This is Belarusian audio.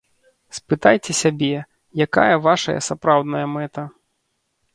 Спытайце сябе, якая вашая сапраўдная мэта.